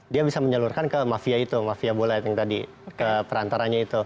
dia bisa menyalurkan ke mafia itu mafia bola yang tadi ke perantaranya itu